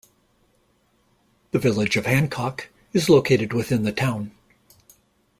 The Village of Hancock is located within the town.